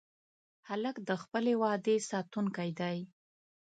هلک د خپلې وعدې ساتونکی دی.